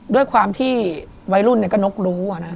ด้วยความที่วัยรุ่นก็นกรู้